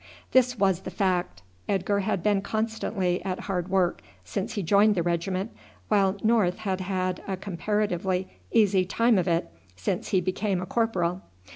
This was the fact. Edgar had been constantly at hard work since he joined the regiment, while North had had a comparatively easy time of it since he became a corporal.